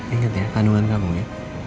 ingat ya kandungan kamu ya